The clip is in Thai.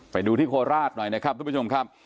ไปดูที่โคราชหน่อยนะครับทุกผู้ชมครับ